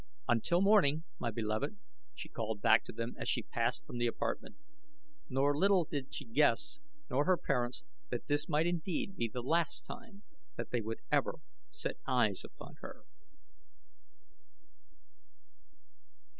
"Until morning, my beloved," she called back to them as she passed from the apartment, nor little did she guess, nor her parents, that this might indeed be the last time that they would ever set eyes upon her.